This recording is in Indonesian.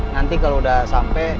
nanti kalau udah sampe